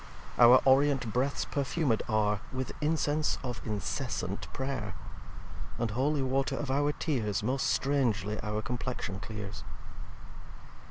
Our Orient Breaths perfumed are With insense of incessant Pray'r. And Holy water of our Tears Most strangly our Complexion clears.